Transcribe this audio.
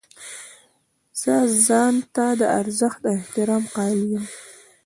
زه ځان ته د ارزښت او احترام قایل یم.